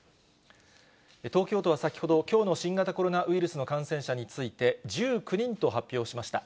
東京都は先ほど、きょうの新型コロナウイルスの感染者について、１９人と発表しました。